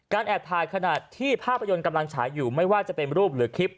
แอบถ่ายขณะที่ภาพยนตร์กำลังฉายอยู่ไม่ว่าจะเป็นรูปหรือคลิป